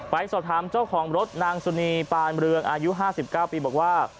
ไปสอบถามเจ้าของรถนางสุนีปานเรืองอายุ๕๙ปีบอกว่า